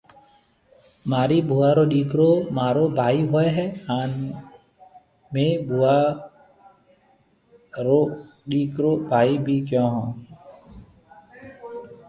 مهارِي ڀوُئا رو ڏِيڪرو مهارو ڀائي هوئيَ هيَ هانَ مهيَ ڀوُئا رو ڏِيڪر ڀائِي ڀِي ڪيون هون۔